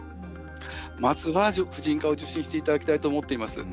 まずは、婦人科を受診していただきたいと思っています。